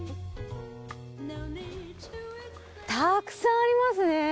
たくさんありますね。